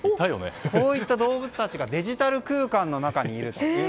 こういった動物たちがデジタル空間にいるという。